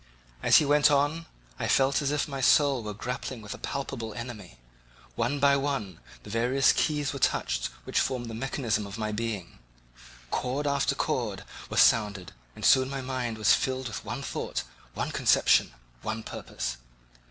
As he went on I felt as if my soul were grappling with a palpable enemy; one by one the various keys were touched which formed the mechanism of my being; chord after chord was sounded, and soon my mind was filled with one thought, one conception, one purpose.